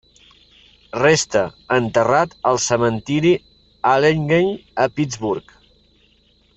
Resta enterrat al cementiri Allegheny, a Pittsburgh.